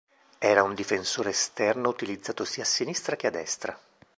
Era un difensore esterno utilizzato sia a sinistra che a destra.